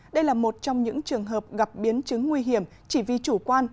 đây là một trong những trường hợp gặp biến chứng nguy hiểm chỉ vì chủ quan